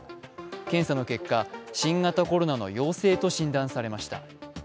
検査の結果、新型コロナの陽性と診断されました。